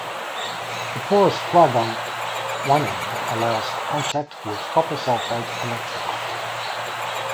A porous plug on one end allows contact with the copper sulfate electrolyte.